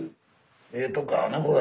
ええとこやねこれ。